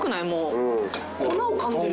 粉を感じる。